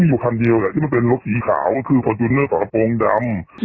มีกว่าคันเดียวแหละที่มันเป็นรถสีขาวคือฟอร์จูเนอร์ต่อระโปรงดำ